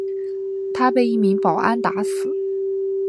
他被一名保安打死。